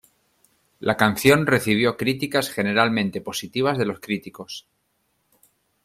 La canción recibió críticas generalmente positivas de los críticos.